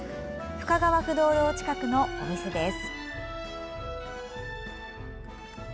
深川不動堂近くのお店です。